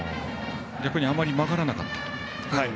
あまり曲がらなかった？